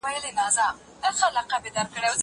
دا لیک له هغه مهم دی!!